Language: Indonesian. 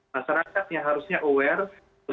masyarakat yang harusnya aware